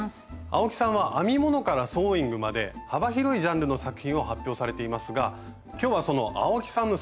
青木さんは編み物からソーイングまで幅広いジャンルの作品を発表されていますが今日はその青木さんの作品の一部をお持ち頂きました。